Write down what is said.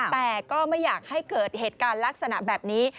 แต่ก็ไม่อยากให้เกิดเหตุการณ์ลักษณะแบบนี้